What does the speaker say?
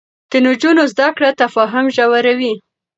د نجونو زده کړه تفاهم ژوروي.